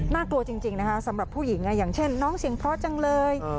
กลัวจริงนะคะสำหรับผู้หญิงอย่างเช่นน้องเสียงเพราะจังเลย